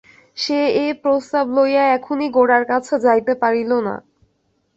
সে এ প্রস্তাব লইয়া এখনই গোরার কাছে যাইতে পারিল না।